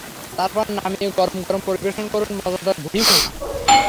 তারপর নামিয়ে গরম গরম পরিবেশন করুন মজাদার ভুড়ি ভুনা।